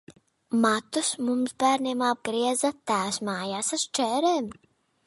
Matus mums bērniem apgrieza tēvs mājās ar šķērēm.